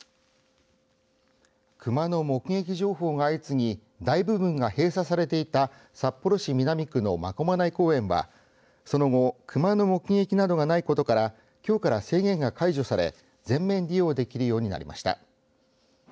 熊の目撃情報が相次ぎ大部分が閉鎖されていた札幌市南区の真駒内公園はその後熊の目撃などがないことからきょうから制限が解除され全面利用できるようになりました。